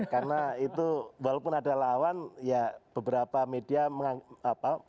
karena itu walaupun ada lawan ya beberapa media menganggap